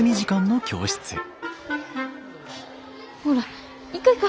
ほら行こ行こ！